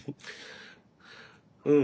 うん。